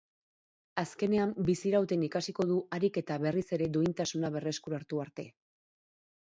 Azkenean bizirauten ikasiko du harik eta berriz ere duintasuna berreskuratu arte.